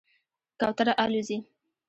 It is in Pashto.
کوتره الوځي.